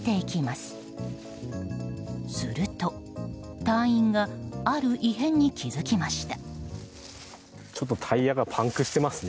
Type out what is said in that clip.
すると、隊員がある異変に気付きました。